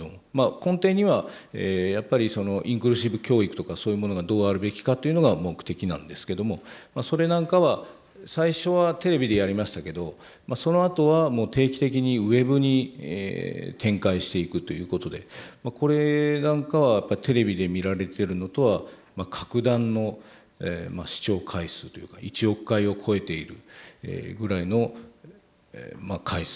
根底にはやっぱりインクルーシブ教育とかそういうものがどうあるべきかというのが目的なんですけどもそれなんかは最初はテレビでやりましたけどそのあとはもう定期的にウェブに展開していくということでこれなんかはやっぱりテレビで見られてるのとは格段の視聴回数というか１億回を超えているぐらいの回数を記録してますね。